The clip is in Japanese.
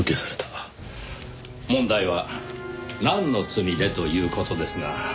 問題はなんの罪でという事ですが。